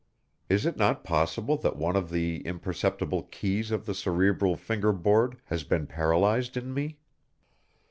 Is it not possible that one of the imperceptible keys of the cerebral finger board has been paralyzed in me?